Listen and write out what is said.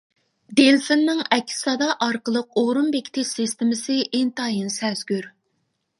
دېلفىننىڭ ئەكس سادا ئارقىلىق ئورۇن بېكىتىش سىستېمىسى ئىنتايىن سەزگۈر.